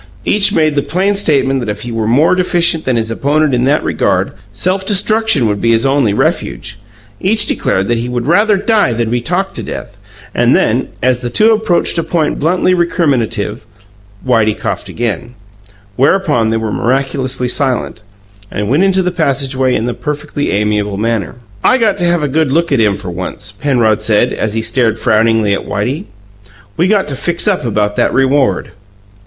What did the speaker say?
Each made the plain statement that if he were more deficient than his opponent in that regard, self destruction would be his only refuge. Each declared that he would "rather die than be talked to death"; and then, as the two approached a point bluntly recriminative, Whitey coughed again, whereupon they were miraculously silent, and went into the passageway in a perfectly amiable manner. "I got to have a good look at him, for once," Penrod said, as he stared frowningly at Whitey. "We got to fix up about that reward."